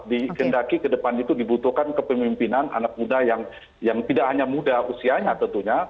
dikendaki ke depan itu dibutuhkan kepemimpinan anak muda yang tidak hanya muda usianya tentunya